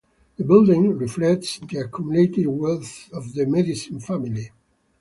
The building reflects the accumulated wealth of the Medici family.